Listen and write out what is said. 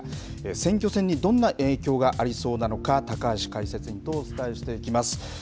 選挙戦にどんな影響がありそうなのか、高橋解説委員とお伝えしていきます。